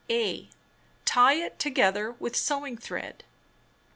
(a) Tie it together with sewing thread.